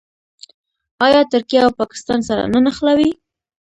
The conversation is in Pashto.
آیا ترکیه او پاکستان سره نه نښلوي؟